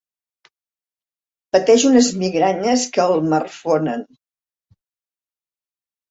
Pateix unes migranyes que el marfonen.